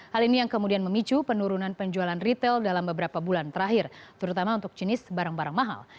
hal ini yang kemudian memicu penurunan penjualan retail dalam beberapa bulan terakhir terutama untuk jenis barang barang mahal